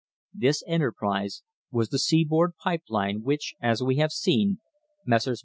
This enterprise was the seaboard pipe line which, as we have seen, Messrs.